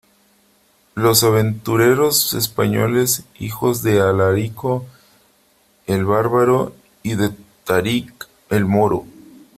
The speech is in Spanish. los aventureros españoles , hijos de Alarico el bárbaro y de Tarik el moro .